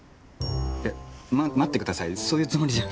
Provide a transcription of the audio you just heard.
えっま待って下さいそういうつもりじゃ。